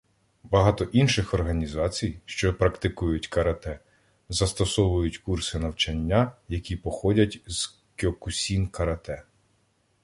Багато інших організацій, що практикують карате, застосовують курси навчання, які походять з кьокусін карате.